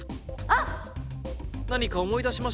あっ！